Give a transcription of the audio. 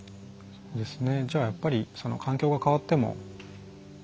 そうですね。